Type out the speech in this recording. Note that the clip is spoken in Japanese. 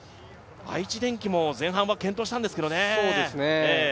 愛知電機も前半は健闘したんですけどね。